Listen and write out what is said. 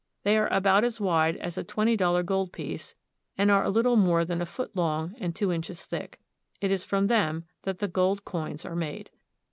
They are about as wide as a twenty dollar gold piece, and are a little more than a foot long and two inches thick. It is from them that the gold coins are made.